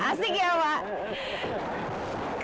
asik ya pak